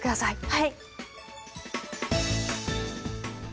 はい！